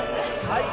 はい。